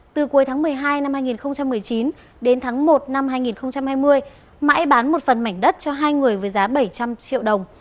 từ cuối tháng một mươi hai năm hai nghìn một mươi chín đến tháng một năm hai nghìn hai mươi mãi bán một phần mảnh đất cho hai người với giá bảy trăm linh triệu đồng